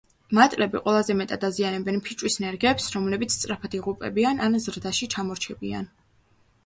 მატლები ყველაზე მეტად აზიანებენ ფიჭვის ნერგებს, რომლებიც სწრაფად იღუპებიან ან ზრდაში ჩამორჩებიან.